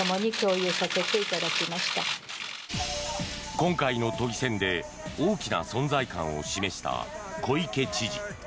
今回の都議選で大きな存在感を示した小池知事。